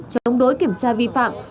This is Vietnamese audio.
chống đối kiểm tra vi phạm